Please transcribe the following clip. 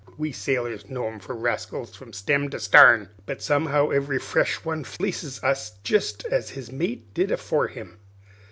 "We sailors know 'em for rascals from stem to starn, but somehow every fresh one fleeces us jest as his mate did afore him.